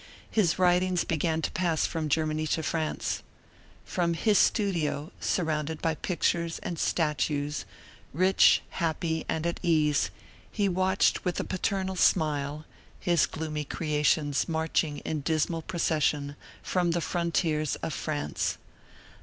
His writings began to pass from Germany into France. From his studio, surrounded by pictures and statues, rich, happy and at ease, he watched with a paternal smile, his gloomy creations marching in dismal procession across the frontiers of France.